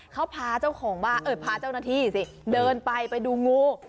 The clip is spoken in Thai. เขาพาเจ้าหน้าที่เดินไปดูงู